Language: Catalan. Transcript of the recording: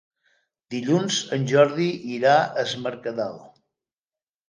Dilluns en Jordi irà a Es Mercadal.